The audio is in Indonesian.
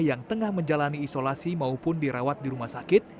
yang tengah menjalani isolasi maupun dirawat di rumah sakit